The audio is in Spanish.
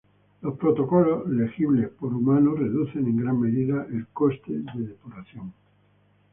Los protocolos legibles por humanos reducen en gran medida el coste de depuración.